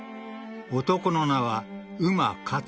［男の名は］